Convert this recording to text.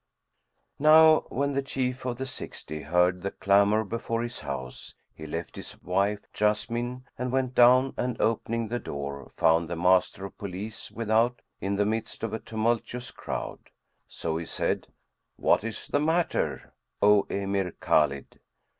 Now when the Chief of the Sixty heard the clamour before his house, he left his wife Jessamine and went down and, opening the door, found the Master of Police without in the midst of a tumultuous crowd. So he said, "What is the matter, O Emir Khбlid?"